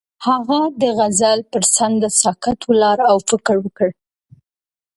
هغه د غزل پر څنډه ساکت ولاړ او فکر وکړ.